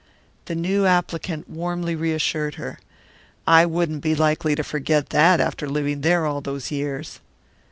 The new applicant warmly reassured her. "I wouldn't be likely to forget that, after living there all those years."